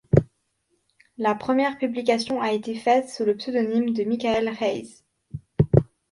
La première publication a été faite sous le pseudonyme de Michael Rheyss.